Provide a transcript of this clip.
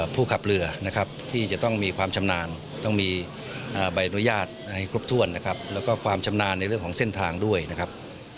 ผู้ขับเรือนะครับที่จะต้องมีความชำนาญต้องมีใบอนุญาตให้ครบถ้วนนะครับแล้วก็ความชำนาญในเรื่องของเส้นทางด้วยนะครับ